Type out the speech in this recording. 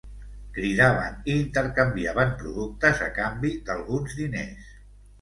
Cridaven i intercanviaven productes a canvi d’alguns diners.